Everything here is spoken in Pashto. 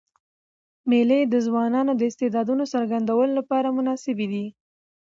مېلې د ځوانانو د استعدادونو څرګندولو له پاره مناسبي دي.